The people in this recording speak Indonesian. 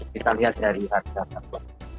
bisa lihat dari harga gabah